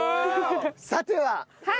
さては？